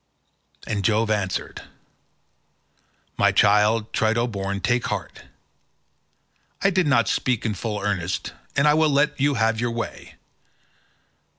And Jove answered, "My child, Trito born, take heart. I did not speak in full earnest, and I will let you have your way.